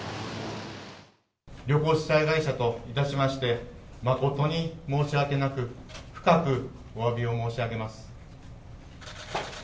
旅行主催会社といたしまして、誠に申し訳なく、深くおわびを申し上げます。